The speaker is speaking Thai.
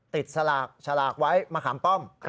ติดสลากไว้มะขำป้อม